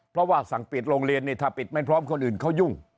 เพราะว่าสั่งปิดโรงเรียนนี่ถ้าปิดไม่พร้อมคนอื่นเขายุ่ง